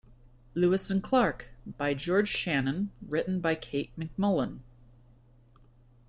Lewis and Clark, by George Shannon written by Kate McMullan.